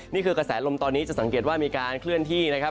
นี่คือกระแสลมตอนนี้จะสังเกตว่ามีการเคลื่อนที่นะครับ